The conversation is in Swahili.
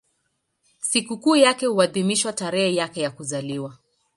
Sikukuu yake huadhimishwa tarehe yake ya kuzaliwa.